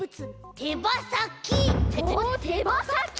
てばさき！？